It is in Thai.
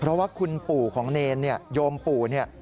เพราะว่าคุณปู่ของเนรเนี่ยโยมปู่เนี่ย